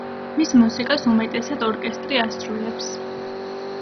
მის მუსიკას უმეტესად ორკესტრი ასრულებს.